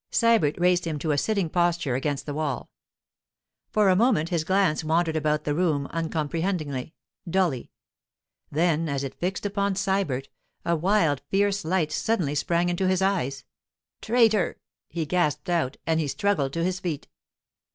Sybert raised him to a sitting posture against the wall. For a moment his glance wandered about the room, uncomprehendingly, dully. Then, as it fixed upon Sybert, a wild, fierce light suddenly sprang into his eyes. 'Traitor!' he gasped out, and he struggled to his feet.